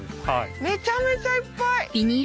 めちゃめちゃいっぱい！